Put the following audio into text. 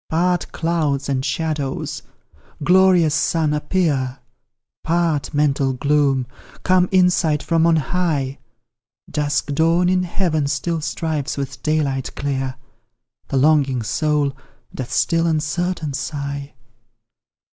Part, clouds and shadows! Glorious Sun appear! Part, mental gloom! Come insight from on high! Dusk dawn in heaven still strives with daylight clear The longing soul doth still uncertain sigh.